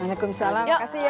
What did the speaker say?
waalaikumsalam makasih ya